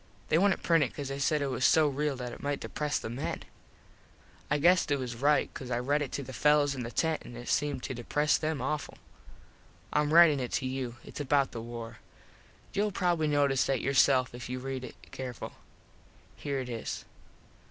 They wouldnt print it cause they said it was so real that it might depres the men. I guess they was right cause I read it to the fellos in the tent an it seemed to depres them awful. Im ritin it to you. Its about the war. Youll probably notice that yourself if you read it careful. Here it is.